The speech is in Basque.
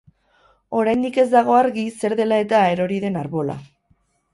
Oraindik ez dago argi zer dela eta erori den arbola.